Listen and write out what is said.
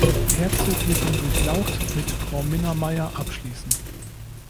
Herzoglichen Durchlaucht“ mit „Frau Minna Meyer“ abschließen.